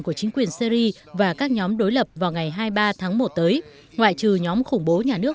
của chính quyền syri và các nhóm đối lập vào ngày hai mươi ba tháng một tới ngoại trừ nhóm khủng bố nhà nước